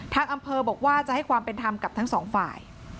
ทางอำเภอบอกว่าจะให้ความเป็นธรรมกับทั้งสองฝ่าย